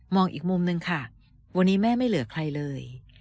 อีกมุมนึงค่ะวันนี้แม่ไม่เหลือใครเลย